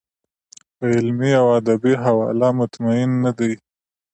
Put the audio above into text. په علمي او ادبي حواله مطمین نه دی.